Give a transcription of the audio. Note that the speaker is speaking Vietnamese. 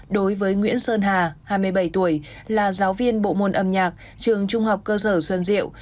đối với nguyễn sơn hà hai mươi bảy tuổi là giáo viên bộ môn âm nhạc trường trung học cơ sở xuân diệu